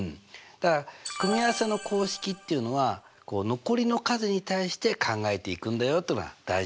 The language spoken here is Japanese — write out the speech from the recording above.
だから組合せの公式っていうのは残りの数に対して考えていくんだよってのが大事なんだな。